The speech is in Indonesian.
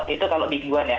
itu kalau mingguan ya